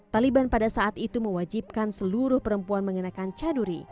taliban pada saat itu mewajibkan seluruh perempuan mengenakan caduri